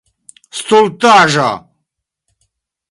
Stultaĵo!